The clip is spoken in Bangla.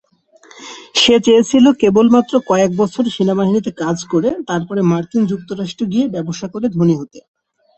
সে চেয়েছিল কেবলমাত্র কয়েক বছর সেনাবাহিনীতে কাজ করে, তারপরে মার্কিন যুক্তরাষ্ট্রে গিয়ে, ব্যবসা করে ধনী হতে।